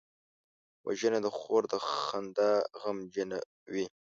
وژنه د خور د خندا غمجنوي